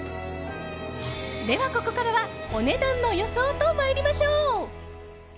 では、ここからはお値段の予想と参りましょう。